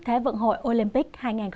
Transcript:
thế vận hội olympic hai nghìn hai mươi hai